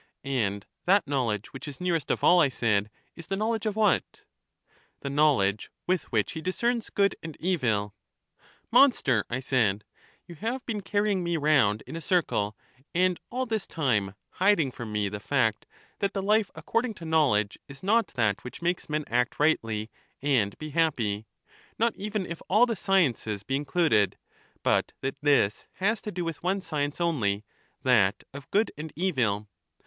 And that knowledge which is nearest of all, I said, is the knowledge of what? The knowledge with which he discerns good and evil. Monster! I said; you have been carrying me round in a circle, and all this time hiding from me the fact that the life according to knowledge is not that which makes men act rightly and be happy, not even if all the sciences be included, but that this has to do with one science only, that of good and evil.